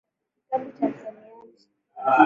Kitabu cha misamiati.